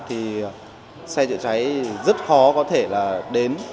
thì xe chữa cháy rất khó có thể là đến